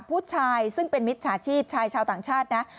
ผู้ชายซึ่งเป็นมิจฉาชีพชายชาวต่างชาตินะ